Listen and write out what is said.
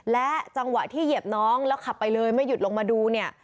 และจังหวะที่เหยียบน้องแล้วขับไปเลยไม่หยุดลงมาดูเนี่ย